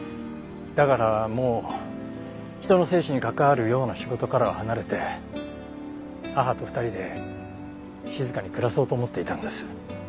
だからもう人の生死に関わるような仕事からは離れて母と２人で静かに暮らそうと思っていたんです。